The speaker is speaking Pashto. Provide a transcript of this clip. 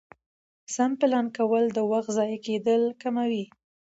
سم پلان کول د وخت ضایع کېدل کموي